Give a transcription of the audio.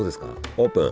オープン。